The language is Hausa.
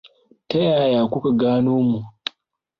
Ta yaya ku ka gano mu?